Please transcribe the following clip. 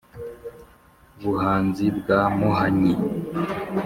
buhanzi bwa muhanyi